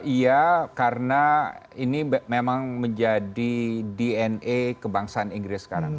iya karena ini memang menjadi dna kebangsaan inggris sekarang